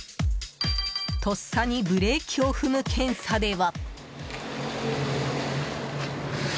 とっさにブレーキを踏む検査では。